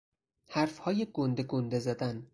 حرفهای گنده گنده زدن